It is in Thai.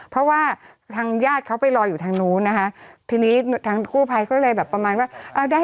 เพราะว่าทางญาติเขาไปรออยู่ทางนู้นนะคะทีนี้ทางกู้ภัยก็เลยแบบประมาณว่าอ่าได้